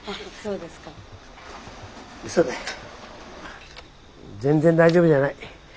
うそだ全然大丈夫じゃない。